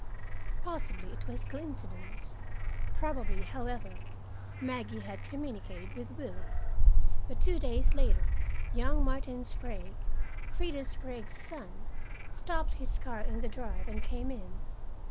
Possibly it was coincidence. Probably, however, Maggie had communicated with Willie. But two days later young Martin Sprague, Freda Sprague's son, stopped his car in the drive and came in.